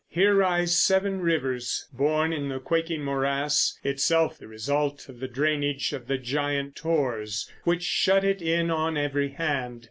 Here rise seven rivers—born in the quaking morass, itself the result of the drainage of the giant tors which shut it in on every hand.